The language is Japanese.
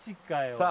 さあ